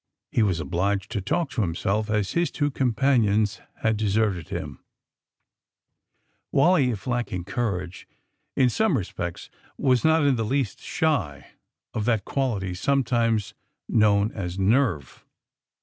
He was obliged to talk to himself as his two companions had djeserted him. AND THE SMUGGLERS 27 Wally, if lacking courage in some respects, was not in the least sliy of that quality some times known as ^^ nerve."